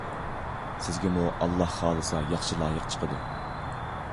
سىزگىمۇ ئاللاھ خالىسا ياخشى لايىق چىقىدۇ.